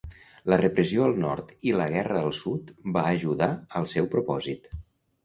La repressió al nord i la guerra al sud va ajudar al seu propòsit.